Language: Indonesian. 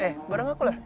eh bareng aku lah